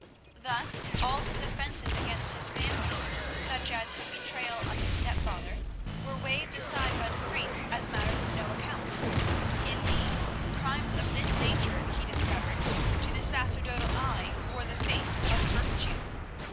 Thus all his offences against his family, such as his betrayal of his stepfather, were waived aside by the priest as matters of no account; indeed, crimes of this nature, he discovered, to the sacerdotal eye wore the face of virtue.